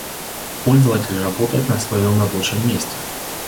Пользователь работает на своем рабочем месте